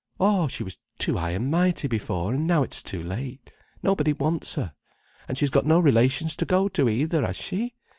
Oh, she was too high and mighty before, and now it's too late. Nobody wants her. And she's got no relations to go to either, has she?